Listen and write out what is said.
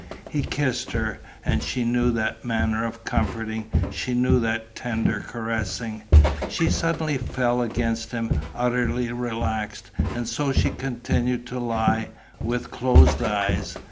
He kissed her; and she knew that manner of comforting, she knew that tender caressing. She suddenly fell against him, utterly relaxed; and so she continued to lie, with closed eyes.